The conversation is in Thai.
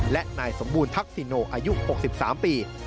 และนายสมบูรณทักษิโนอายุ๖๓ปี